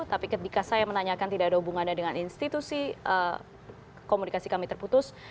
tapi ketika saya menanyakan tidak ada hubungannya dengan institusi komunikasi kami terputus